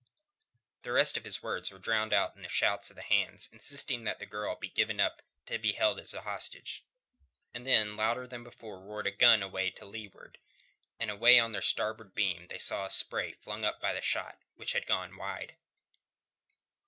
The rest of his words were drowned in the shouts of the hands insisting that the girl be given up to be held as a hostage. And then louder than before roared a gun away to leeward, and away on their starboard beam they saw the spray flung up by the shot, which had gone wide.